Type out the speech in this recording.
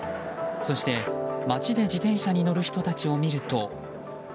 そして、街で自転車に乗る人たちを見ると。